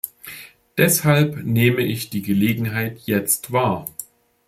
Deshalb nehme ich die Gelegenheit jetzt wahr.